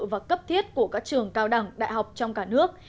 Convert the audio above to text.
và cấp thiết của các trường cao đẳng đại học trong cả nước